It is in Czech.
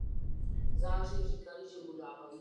Pozdější pátrání však existenci těchto ostrovů vyloučila.